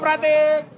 terima kasih pak pratik